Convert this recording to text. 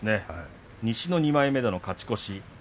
西の２枚目での勝ち越し。